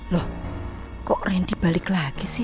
loh kok randy balik lagi sih